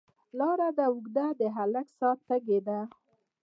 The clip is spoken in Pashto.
لار ده اوږده، د هلک ساه تږې ده